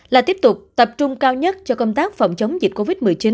là tiếp tục tập trung cao nhất cho công tác phòng chống dịch covid một mươi chín